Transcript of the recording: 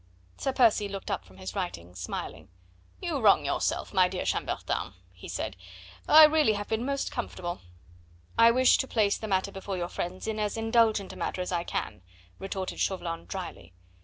'" Sir Percy looked up from his writing, smiling. "You wrong yourself, my dear M. Chambertin!" he said; "I have really been most comfortable." "I wish to place the matter before your friends in as indulgent a manner as I can," retorted Chauvelin dryly.